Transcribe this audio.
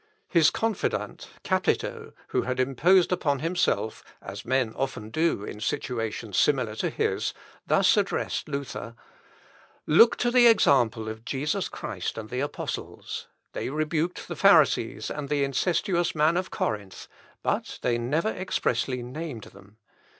His confidant, Capito, who had imposed upon himself, as men often do in situations similar to his, thus addressed Luther: "Look to the example of Jesus Christ and the apostles; they rebuked the Pharisees and the incestuous man of Corinth, but they never expressly named them.